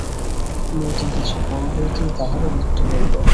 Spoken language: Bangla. মেয়েটি কিছু বড়ো হইতেই তাহারও মৃত্যু হইল।